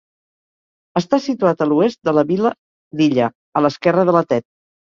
Està situat a l'oest de la vila d'Illa, a l'esquerra de la Tet.